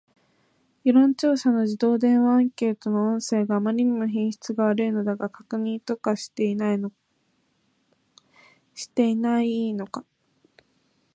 世論調査の自動電話アンケート音声があまりにも品質悪いのだが、確認とかしていないのか